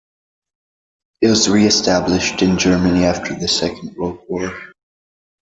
It was reestablished in Germany after the Second World War.